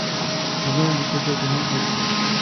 Tgam-d asafag n yiferki.